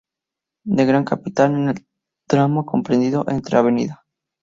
De Gran Capitán en el tramo comprendido entre Av.